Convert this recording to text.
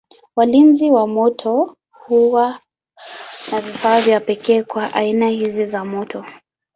Walinzi wa moto huwa na vifaa vya pekee kwa aina hizi za moto.